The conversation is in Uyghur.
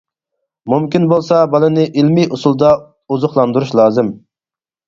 مۇمكىن بولسا بالىنى ئىلمى ئۇسۇلدا ئوزۇقلاندۇرۇش لازىم.